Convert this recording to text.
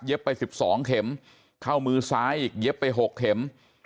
เย็บไปสิบสองเข็มเข้ามือซ้ายอีกเย็บไปหกเข็ม